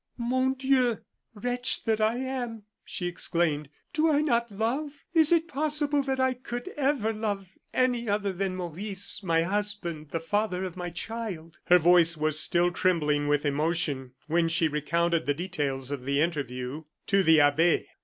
"Mon Dieu! wretch that I am!" she exclaimed. "Do I not love? is it possible that I could ever love any other than Maurice, my husband, the father of my child?" Her voice was still trembling with emotion when she recounted the details of the interview to the abbe.